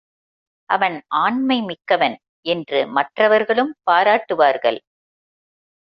அவன் ஆண்மை மிக்கவன் என்று மற்றவர்களும் பாராட்டுவார்கள்.